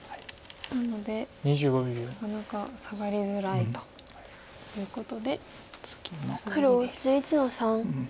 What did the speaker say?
なのでなかなかサガりづらいということでツナギです。